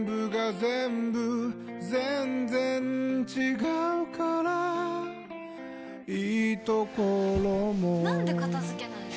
全然違うからいいところもなんで片付けないの？